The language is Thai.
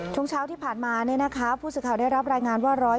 ช่วงเช้าที่ผ่านมาผู้สื่อข่าวได้รับรายงานว่า